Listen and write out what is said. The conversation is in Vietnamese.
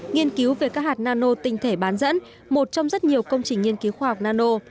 nghiên cứu về các hạt nano tinh thể bán dẫn một trong rất nhiều công trình nghiên cứu khoa học nano